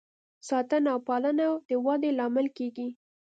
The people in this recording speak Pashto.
ساتنه او پالنه د ودې لامل کیږي.